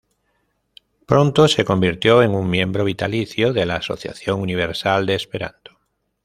Pronto se convirtió en un miembro vitalicio de la Asociación Universal de Esperanto.